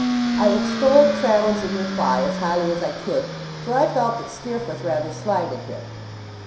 I extolled Traddles in reply, as highly as I could; for I felt that Steerforth rather slighted him.